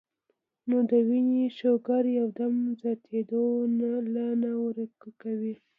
نو د وينې شوګر يو دم زياتېدو له نۀ ورکوي -